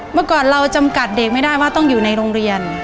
เมื่อก่อนเราจำกัดเด็กไม่ได้ว่าต้องอยู่ในโรงเรียน